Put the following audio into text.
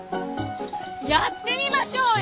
やってみましょうよ